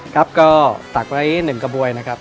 ครับก็ตักไว้๑กระบวยนะครับ